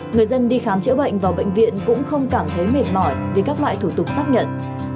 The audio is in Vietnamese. người dân đi khám chữa bệnh vào bệnh viện cũng không cảm thấy mệt mỏi vì các loại thủ tục xác nhận